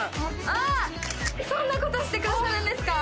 あっそんなことしてくださるんですか？